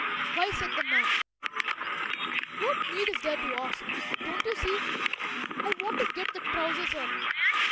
"Why," said the man, "what need is there to ask? Don't you see I want to get the trousers on?"